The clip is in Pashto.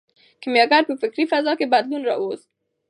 کیمیاګر په فکري فضا کې بدلون راوست.